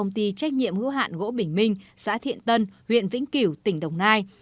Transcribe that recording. thì trách nhiệm hữu hạn gỗ bình minh xã thiện tân huyện vĩnh kiểu tỉnh đồng nai